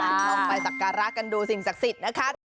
ถูกต้องไปสักการะกันดูสิ่งศักดิ์สิทธิ์นะคะ